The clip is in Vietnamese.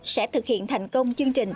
sẽ thực hiện thành công chương trình